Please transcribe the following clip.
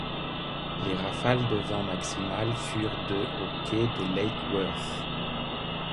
Les rafales de vent maximales furent de au quai de Lake Worth.